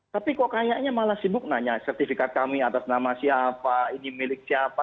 tapi kok kayaknya malah sibuk nanya sertifikat kami atas nama siapa ini milik siapa